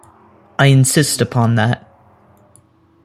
I insist upon that.